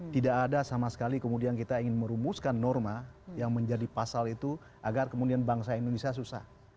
tidak ada sama sekali kemudian kita ingin merumuskan norma yang menjadi pasal itu agar kemudian bangsa indonesia susah